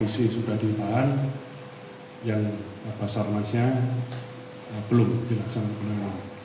peneliti sudah ditahan yang bapak sarnasnya belum dilaksanakan